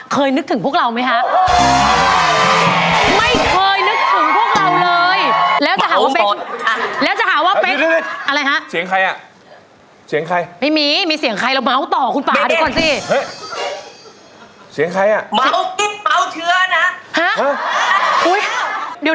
นึกถึงพวกเราไหมฮะไม่เคยนึกถึงพวกเราเลย